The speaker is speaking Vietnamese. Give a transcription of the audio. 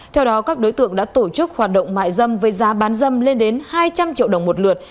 theo đó các đối tượng đã tổ chức hoạt động mại dâm với giá bán dâm lên đến hai trăm linh triệu đồng một lượt